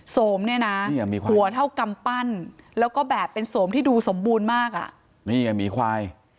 สมเนี่ยนะหัวเท่ากำปั้นแล้วก็แบบเป็นโสมที่ดูสมบูรณ์มากอ่ะนี่ไงหมีควาย